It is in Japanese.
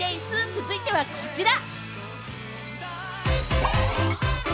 続いてはこちら！